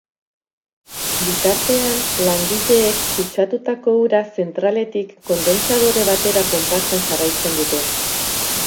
Bitartean, langileek kutsatutako ura zentraletik kondentsadore batera ponpatzen jarraitzen dute.